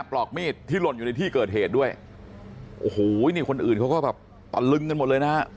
ปลอกมีดที่หล่นอยู่ในที่เกิดเหตุด้วยโอ้โหนี่คนอื่นเขาก็แบบตะลึงกันหมดเลยนะฮะ